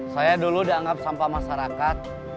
saya dulu udah anggap sampah masyarakat